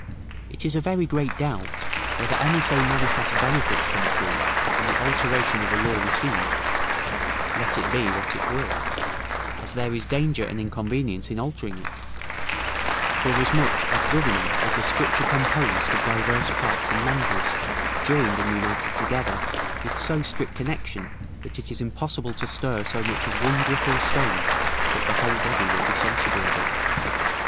It is a very great doubt, whether any so manifest benefit can accrue from the alteration of a law received, let it be what it will, as there is danger and inconvenience in altering it; forasmuch as government is a structure composed of divers parts and members joined and united together, with so strict connection, that it is impossible to stir so much as one brick or stone, but the whole body will be sensible of it.